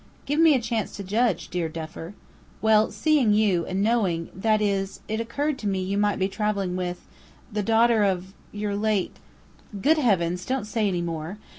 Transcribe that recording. "Give me a chance to judge, dear Duffer." "Well, seeing you, and knowing that is, it occurred to me you might be travelling with the daughter of your late " "Good heavens, don't say any more!